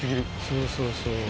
そうそうそう。